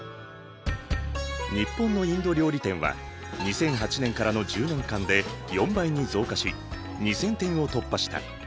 日本のインド料理店は２００８年からの１０年間で４倍に増加し２，０００店を突破した。